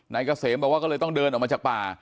เกษมบอกว่าก็เลยต้องเดินออกมาจากป่า